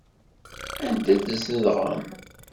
Anda tzedɣem?